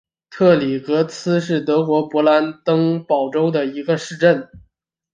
特里格利茨是德国勃兰登堡州的一个市镇。